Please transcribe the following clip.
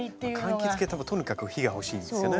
柑橘系はとにかく日が欲しいんですよね。